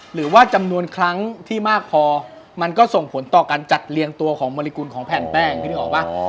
หรือว่าจำนวนครั้งที่มากพอมันก็ส่งผลต่อการจัดเรียงตัวของมริกุลของแผ่นแป้งพี่นึกออกป่ะ